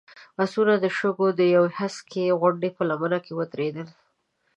آسونه د شګو د يوې هسکې غونډۍ په لمنه کې ودرېدل.